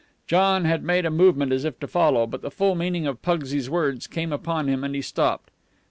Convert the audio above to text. John had made a movement as if to follow, but the full meaning of Pugsy's words came upon him and he stopped.